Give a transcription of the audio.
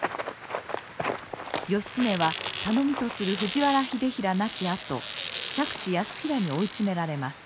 義経は頼みとする藤原秀衡亡きあと嫡子泰衡に追い詰められます。